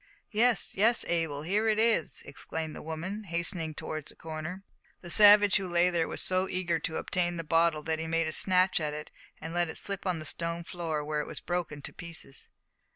"Yes, yes, Abel, here it is," exclaimed the woman, hastening towards the corner. The savage who lay there was so eager to obtain the bottle that he made a snatch at it and let it slip on the stone floor, where it was broken to pieces.